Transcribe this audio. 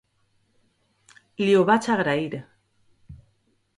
Li ho vaig agrair.